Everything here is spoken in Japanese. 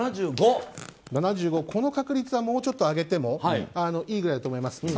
この確率は、もっと上げてもいいくらいだと思います。